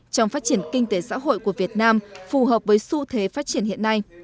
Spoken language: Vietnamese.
trong phát triển kinh tế xã hội của việt nam phù hợp với xu thế phát triển hiện nay